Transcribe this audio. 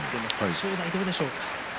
正代はどうでしょうか。